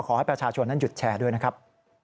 ขอให้ประชาชนนั้นหยุดแชร์ด้วยนะครับ